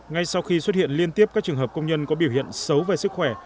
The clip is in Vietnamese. ngay sau khi xuất hiện liên tiếp các trường hợp công nhân có biểu hiện xấu về sức khỏe